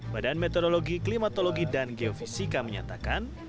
badan meteorologi klimatologi dan geofisika menyatakan